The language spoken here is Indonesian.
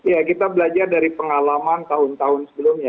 ya kita belajar dari pengalaman tahun tahun sebelumnya